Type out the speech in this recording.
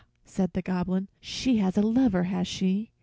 said the Goblin. "She has a lover, has she?